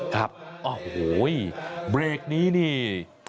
ครับโอ้โหเบรกนี้นี่